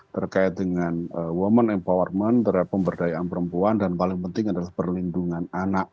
terkait dengan women empowerment terhadap pemberdayaan perempuan dan paling penting adalah perlindungan anak